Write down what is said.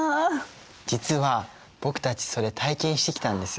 実は僕たちそれ体験してきたんですよ。